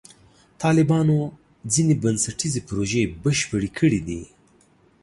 طالبانو ځینې بنسټیزې پروژې بشپړې کړې دي.